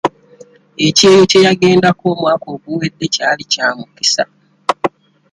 Ekyeyo kye yagendako omwaka oguwedde kyali kya mukisa.